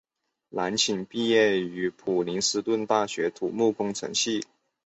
蓝钦毕业于普林斯顿大学土木工程系。